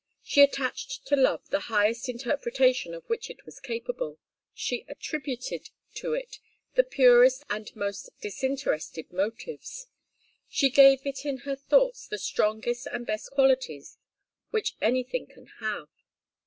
She attached to love the highest interpretation of which it is capable; she attributed to it the purest and most disinterested motives; she gave it in her thoughts the strongest and best qualities which anything can have.